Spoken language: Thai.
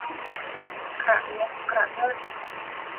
กระงกกระเงิ่น